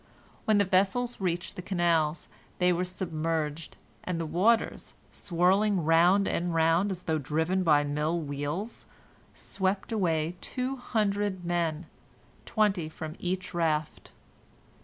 When the vessels reached the canals, they were submerged, and the waters, swirling round and round as though driven by mill wheels, swept away two hundred men, twenty from each raft.